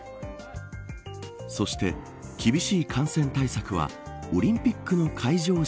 そして、厳しい感染対策はオリンピックの会場